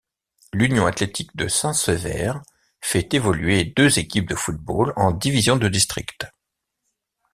L'Union athlétique de Saint-Sever fait évoluer deux équipes de football en divisions de district.